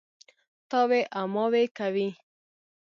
تاوې او ماوې کوي.